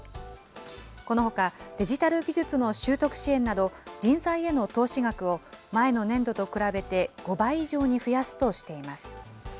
このほか、デジタル技術の習得支援など、人材への投資額を前の年度と比べて５倍以上に増やすとしています。